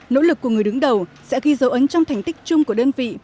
nỗ lực của người đứng đầu sẽ ghi dấu ấn trong thành tích chung của đơn vị